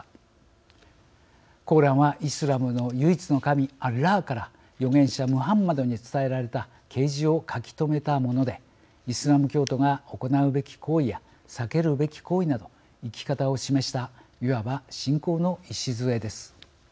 「コーラン」はイスラムの唯一の神アッラーから預言者ムハンマドに伝えられた啓示を書き留めたものでイスラム教徒が行うべき行為や避けるべき行為など生き方を示したいわば信仰の礎です。